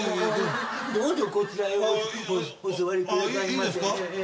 どうぞこちらへお座りくださいませ。